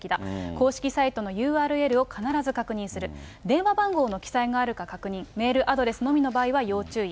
公式サイトのＵＲＬを必ず確認する、電話番号の記載があるか確認、メールアドレスのみの場合は要注意。